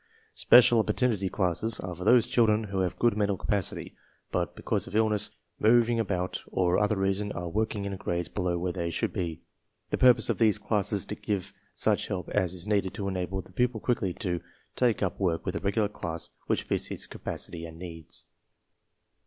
Special Opportunity Classes are for those childre n who have~good mental capacity, but because of illness, moving about, or other reason are working in gnytes^ "Below where they should be. The purpose of these classes is to give such help as is needed to enable the pupil quickly to take up work with a regular class which fits his capacity and needs.